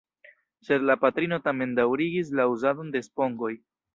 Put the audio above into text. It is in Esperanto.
Sed la patrino tamen daŭrigis la uzadon de spongoj.